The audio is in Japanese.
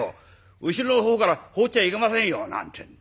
後ろの方から放っちゃいけませんよ」なんて。